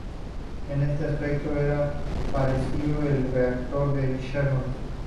En este aspecto, era parecido al reactor de Chernóbil.